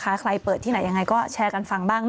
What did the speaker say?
ใครเปิดที่ไหนยังไงก็แชร์กันฟังบ้าง